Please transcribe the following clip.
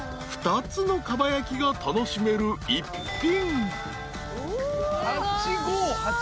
［２つのかば焼きが楽しめる一品］